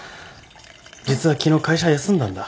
実は昨日会社休んだんだ。